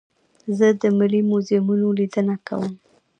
زه د ملي موزیمونو لیدنه کوم.